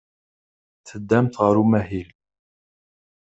Teddamt ɣer umahil.